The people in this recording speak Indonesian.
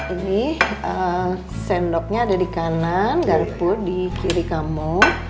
ini sendoknya ada di kanan garpu di kiri kamu